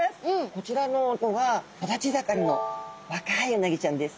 こちらの子が育ち盛りの若いうなぎちゃんです。